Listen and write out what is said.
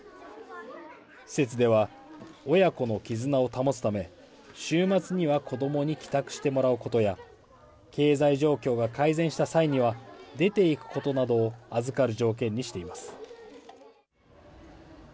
施設では親子の絆を保つため、週末には子どもに帰宅してもらうことや、経済状況が改善した際には出ていくことなどを預かる条件にしています。